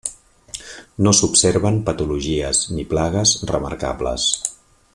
No s'observen patologies ni plagues remarcables.